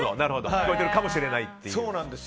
聞こえてるかもしれないという。